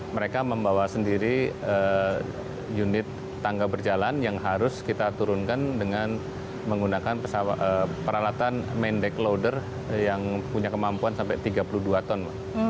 mereka membawa sendiri unit tangga berjalan yang harus kita turunkan dengan menggunakan peralatan main deck loader yang punya kemampuan sampai tiga puluh dua ton